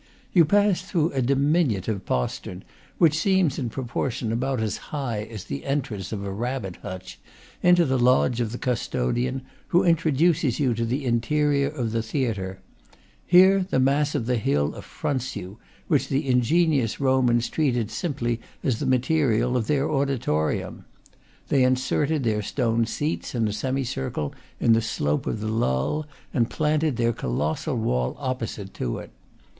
You pass through a diminutive postern which seems in proportion about as high as the en trance of a rabbit hutch into the lodge of the custo dian, who introduces you to the interior of the theatre. Here the mass of the hill affronts you, which the in genious Romans treated simply as the material of their auditorium. They inserted their stone seats, in a semicircle, in the slope of the lull, and planted their colossal wall opposite to it.